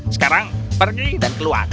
sekarang pergi dan keluar